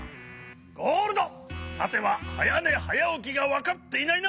ゴールドさてははやねはやおきがわかっていないな？